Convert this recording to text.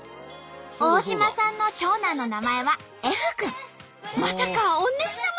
大島さんの長男の名前はまさか同じ名前！